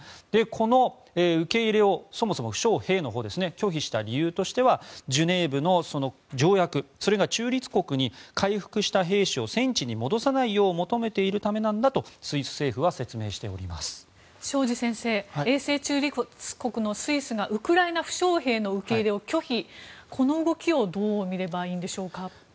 この受け入れをそもそも負傷兵のほうを拒否した理由としてはジュネーブの条約が中立国に回復した兵士を戦地に戻さないよう求めているためだと庄司先生永世中立国のスイスがウクライナ負傷兵の受け入れを拒否この動きをどう見ればいいんでしょうか？